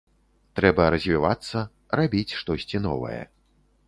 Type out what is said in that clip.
Трэба развівацца, рабіць штосьці новае.